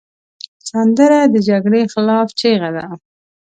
سندره د جګړې خلاف چیغه ده